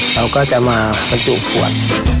เขาก็จะมาบรรจุขวด